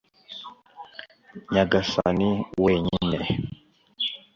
nyagasani wenyine